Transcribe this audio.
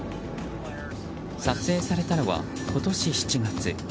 撮影されたのは今年７月。